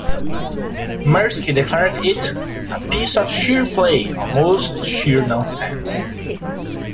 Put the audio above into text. Mirsky declared it "a piece of sheer play, almost sheer nonsense".